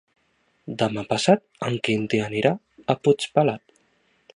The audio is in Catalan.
Demà passat en Quintí anirà a Puigpelat.